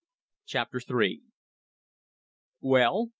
CHAPTER THREE "Well!